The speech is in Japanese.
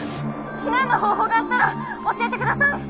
避難の方法があったら教えてください！